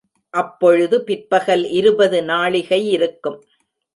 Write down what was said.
அப்பொழுது பிற்பகல் இருபது நாழிகையிருக்கும்.